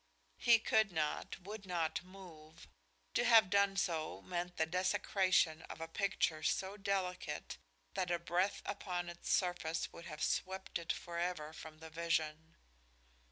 He could not, would not move. To have done so meant the desecration of a picture so delicate that a breath upon its surface would have swept it forever from the vision.